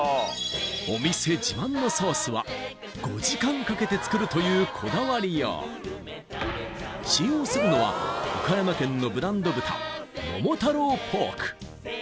お店自慢のソースは５時間かけて作るというこだわりよう使用するのは岡山県のブランド豚桃太郎ポーク